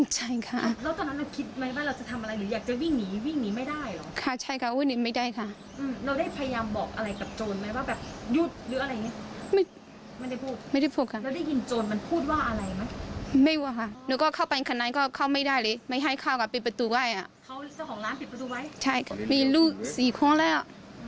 เจ้าของร้านปิดประดูกไว้ใช่ค่ะมีลูกสี่พวงแล้ว